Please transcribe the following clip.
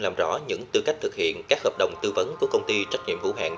làm rõ những tư cách thực hiện các hợp đồng tư vấn của công ty trách nhiệm vũ hạn